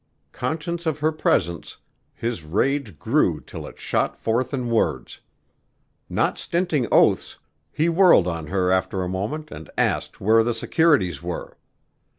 Conscious of her presence, his rage grew till it shot forth in words. Not stinting oaths, he whirled on her after a moment and asked where the securities were.